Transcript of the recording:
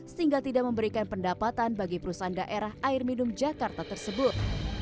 sehingga tidak memberikan pendapatan bagi perusahaan daerah air minum jakarta tersebut